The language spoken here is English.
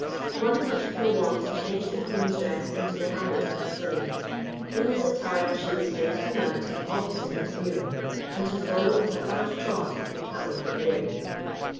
One touch of her wand changed the Queen's dress into the habit of a slave. In this attire she was made to mount an obstinate mule, and to follow, at a hard trot, the car of the Fairy.